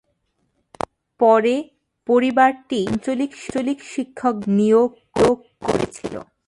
পরে পরিবারটি আঞ্চলিক শিক্ষকদের নিয়োগ করেছিল।